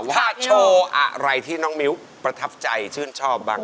ว่าโชว์อะไรที่น้องมิ้วประทับใจชื่นชอบบ้าง